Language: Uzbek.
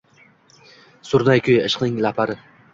Surnay kuyi – ishqning lapari.